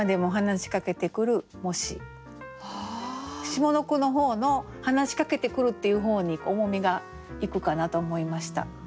下の句の方の「話しかけてくる」っていう方に重みがいくかなと思いました。